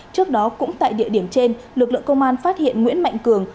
trước đó cũng tại địa điểm trên lực lượng công an phát hiện nguyễn mạnh cường